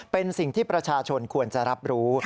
เป็นสิ่งที่ประชาชนควรจะรับรู้